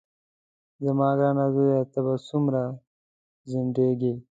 زما ګرانه زویه ته به څومره ځنډېږې.